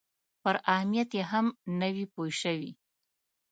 پر اهمیت یې هم نه وي پوه شوي.